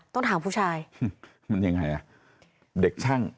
ต้องถามผู้ชายมันยังไงอ่ะเด็กช่าง